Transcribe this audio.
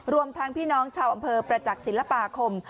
รวมทั้งพี่น้องชาวอำเภอประจักษ์ศิลปาคม